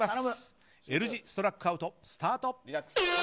Ｌ字ストラックアウト、スタート。